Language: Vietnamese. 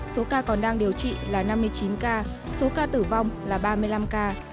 số ca còn đang điều trị là năm mươi chín ca số ca tử vong là ba mươi năm ca